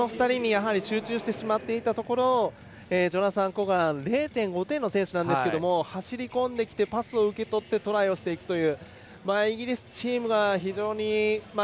この２人に集中してしまっていたところをジョナサン・コガン０．５点の選手ですけど走りこんできてパスを受け取ってトライをしていくという。